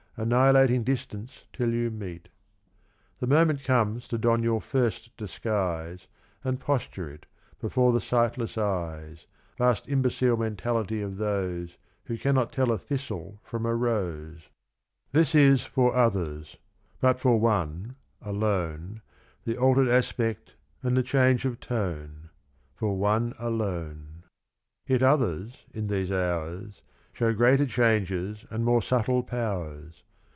Annihilating distance till you meet. 74 Et in Arcadia, Oudics. The moment comes to don your first disguise And posture it before the sightless eyes Vast imbecile mentality of those Who cannot tell a thistle from a rose ; This is for others ; but for one, alone, The altered aspect and the change of tone ; For one alone ; yet others in these hours Show greater changes and more subtle powers.